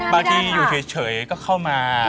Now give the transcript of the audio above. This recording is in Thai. บางทีอยู่เฉยก็เข้ามา